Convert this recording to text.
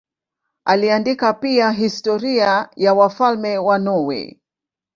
Aliandika pia historia ya wafalme wa Norwei.